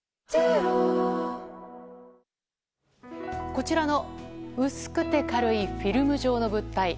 こちらの薄くて軽いフィルム状の物体。